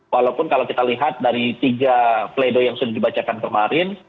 walaupun kalau kita lihat dari tiga pleido yang sudah dibacakan kemarin